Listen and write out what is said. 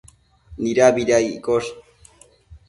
Nidabida iccosh?